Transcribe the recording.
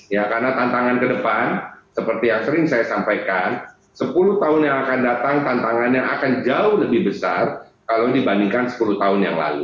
ya karena tantangan ke depan seperti yang sering saya sampaikan sepuluh tahun yang akan datang tantangannya akan jauh lebih besar kalau dibandingkan sepuluh tahun yang lalu